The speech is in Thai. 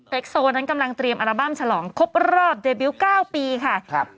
โซนั้นกำลังเตรียมอัลบั้มฉลองครบรอบเดบิวต์๙ปีค่ะครับ